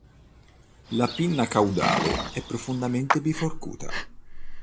La pinna caudale è profondamente biforcuta.